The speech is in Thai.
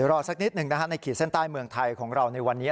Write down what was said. รอสักนิดหนึ่งนะฮะในขีดเส้นใต้เมืองไทยของเราในวันนี้